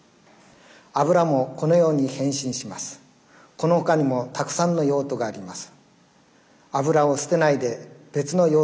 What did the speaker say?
この他にもたくさんの用途があります。